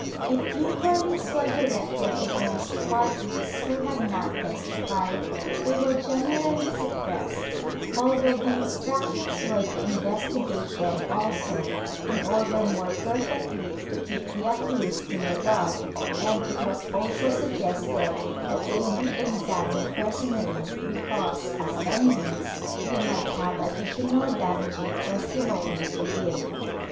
If inquiries were directed against parties who had not testified, they were generally suppressed, although the instructions were to investigate them also, in order more perfectly to keep the accused in the dark, and it was also suggested that they be examined personally because, as enemies, they might have additional damaging testimony to give.